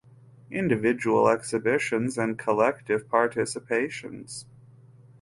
Individual exhibitions and collective participations